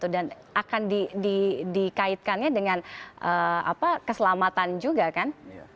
dan akan dikaitkannya dengan keselamatan juga kan